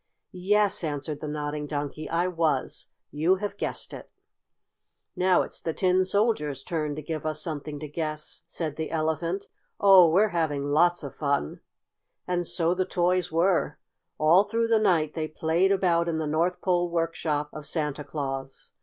"Yes," answered the Nodding Donkey, "I was. You have guessed it!" "Now it's the Tin Soldier's turn to give us something to guess," said the Elephant. "Oh, we're having lots of fun!" And so the toys were. All through the night they played about in the North Pole workshop of Santa Claus.